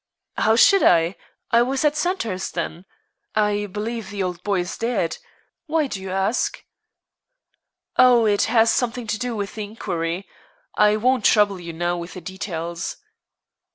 "How should I? I was at Sandhurst then. I believe the old boy is dead. Why do you ask?" "Oh, it has something to do with the inquiry. I won't trouble you now with the details."